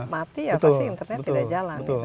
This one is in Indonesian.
mati ya pasti internet tidak jalan